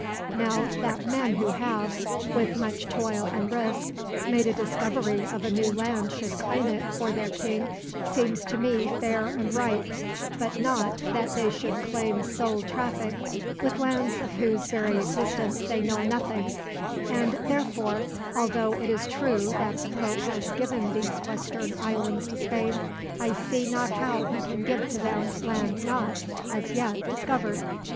Now that men who have, with much toil and risk, made a discovery of a new land should claim it, for their king, seems to me fair and right; but not that they should claim sole traffic, with lands of whose very existence they know nothing; and therefore, although it is true that the pope has given these western islands to Spain, I see not how he can give to them land not, as yet, discovered.